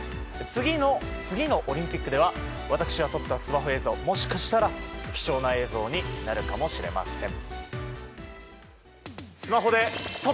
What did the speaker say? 次の次のオリンピックでは私が撮ったスマホ映像もしかしたら貴重な映像になるかもしれません。